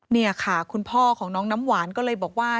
นี่ค่ะคุณพ่อของน้องน้ำหวานก็เลยบอกว่า